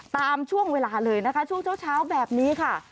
ตามช่วงเวลาเลยนะคะช่วงเช้าแบบนี้ค่ะ